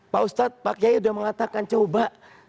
pak ustadz pak kiai sudah mengatakan coba